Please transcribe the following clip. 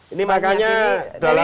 ini makannya dalam